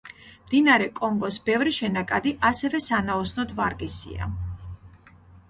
მდინარე კონგოს ბევრი შენაკადი ასევე სანაოსნოდ ვარგისია.